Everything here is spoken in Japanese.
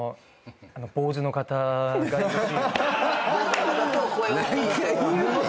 坊主の方がいるし。